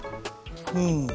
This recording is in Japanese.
うん。